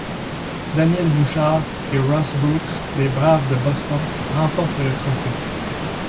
Daniel Bouchard et Ross Brooks des Braves de Boston remporte le trophée.